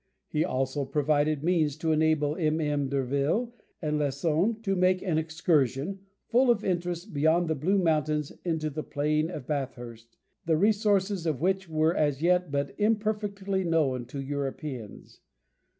He also provided means to enable MM. d'Urville and Lesson to make an excursion, full of interest, beyond the Blue Mountains into the plain of Bathurst, the resources of which were as yet but imperfectly known to Europeans.